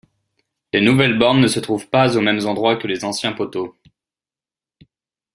Les nouvelles bornes ne se trouvent pas aux mêmes endroits que les anciens poteaux.